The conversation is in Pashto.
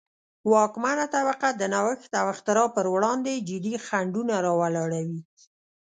واکمنه طبقه د نوښت او اختراع پروړاندې جدي خنډونه را ولاړوي.